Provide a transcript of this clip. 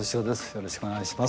よろしくお願いします。